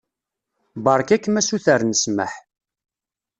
Beṛka-kem asuter n ssmaḥ.